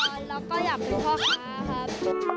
แล้วก็อยากเป็นพ่อค้าครับ